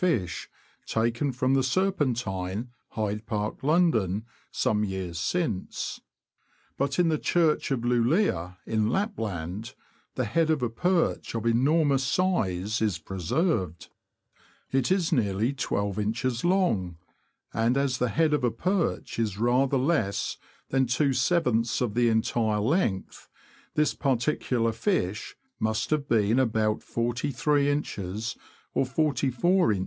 fish, taken from the Serpentine, Hyde Park, London, some years since; but in the Church of Lulea, in Lapland, the head of a perch of enormous size is preserved. It is nearly I2in. long: and as the head of a perch is rather less than two sevenths of the entire length, this particular fish must have been about 43in. or 44in.